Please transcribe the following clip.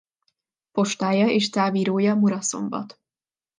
Postája és távirója Muraszombat.